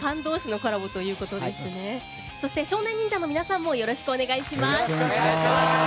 少年忍者の皆さんもよろしくお願いします。